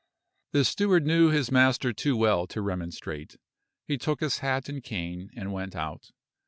The steward knew his master too well to remonstrate. He took his hat and cane, and went out.